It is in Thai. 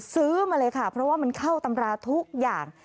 ซื้อมาเลยค่ะเพราะว่ามันเข้าตำราทุกอย่าง